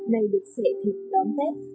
nay được xệ thịt đón tết